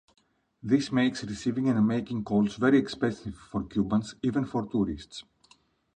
This makes receiving and making calls very expensive for Cubans, even for tourists.